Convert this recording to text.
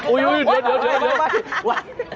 โอ้ยเดี๋ยว